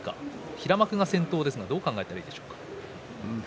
平幕が先頭ですがどう考えたらいいでしょうか。